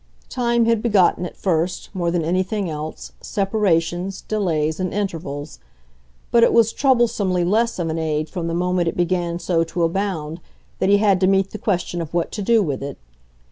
Time had begotten at first, more than anything else, separations, delays and intervals; but it was troublesomely less of an aid from the moment it began so to abound that he had to meet the question of what to do with it.